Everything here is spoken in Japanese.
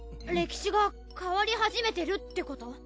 歴史が変わり始めてるってこと？